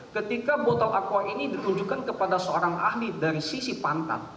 ketika botol aqua ini ditunjukkan kepada seorang ahli dari sisi pantat